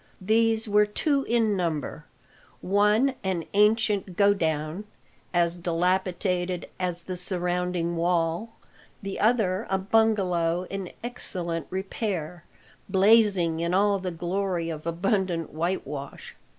These were two in number one an ancient godown, as dilapidated as the surrounding wall; the other, a bungalow in excellent repair, blazing in all the glory of abundant whitewash.